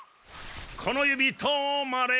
この指止まれ。